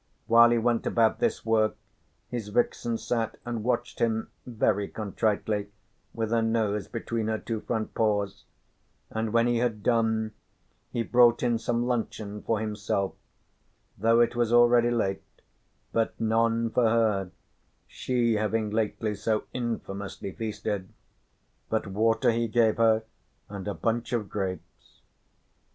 While he went about this work his vixen sat and watched him very contritely with her nose between her two front paws, and when he had done he brought in some luncheon for himself, though it was already late, but none for her, she having lately so infamously feasted. But water he gave her and a bunch of grapes.